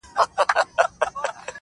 د کلې خلگ به دي څه ډول احسان ادا کړې.